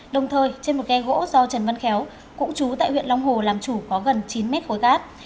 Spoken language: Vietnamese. đồng thời trên một ghe gỗ do trần văn khéo cũng chú tại huyện long hồ làm chủ có gần chín mét khối cát